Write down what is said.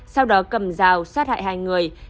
sau đó cầm rào sát hại hai người